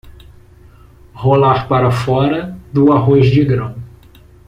Rolar para fora do arroz de grão